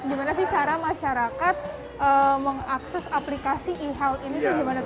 bagaimana sih cara masyarakat mengakses aplikasi e health ini